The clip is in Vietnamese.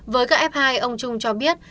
với các f hai ông trung cho biết